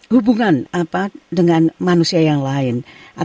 hubungan dengan manusia yang lain